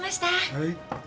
はい。